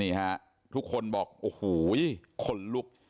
นี่ฮะทุกคนบอกโอ้โหขนลุก